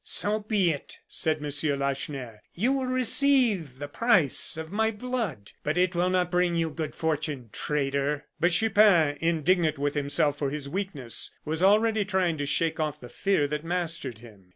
"So be it," said M. Lacheneur. "You will receive the price of my blood; but it will not bring you good fortune traitor!" But Chupin, indignant with himself for his weakness, was already trying to shake off the fear that mastered him.